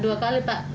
dua kali pak